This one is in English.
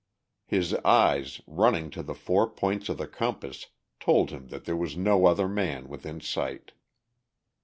His eyes, running to the four points of the compass, told him that there was no other man within sight.